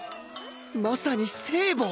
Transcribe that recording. まさに聖母！